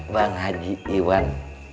bang haji iwan